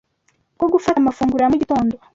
bwo gufata amafunguro ya mugitondo